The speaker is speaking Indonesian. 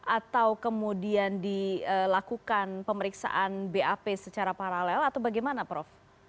atau kemudian dilakukan pemeriksaan bap secara paralel atau bagaimana prof